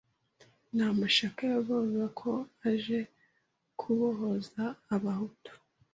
n’amashyaka yavugaga ko aje kubohoza Abahutu